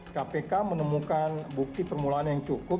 kpk menemukan bukti permulaan yang cukup